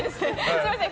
すみません。